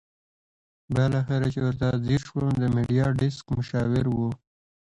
بالاخره چې ورته ځېر شوم د میډیا ډیسک مشاور وو.